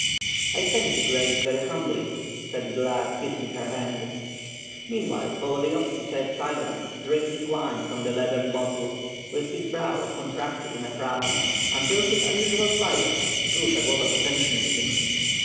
"I thank your Grace, very humbly," said the lad, kissing her hand. Meanwhile Volodiyovski sat silent, drinking wine from the leathern bottle, with his brow contracted in a frown, until his unusual silence drew Zagloba's attention to him.